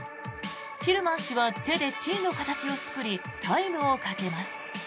ヒルマン氏は手でＴの形を作りタイムをかけます。